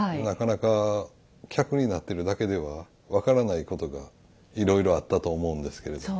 なかなか客になってるだけでは分からないことがいろいろあったと思うんですけれど。